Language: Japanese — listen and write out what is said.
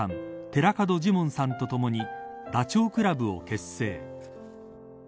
寺門ジモンさんとともにダチョウ倶楽部を結成。